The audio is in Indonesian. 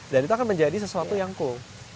dan itu akan menjadi sesuatu yang cool